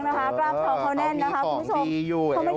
กล้ามท้องเขานั่นนะครับคุณผู้ชม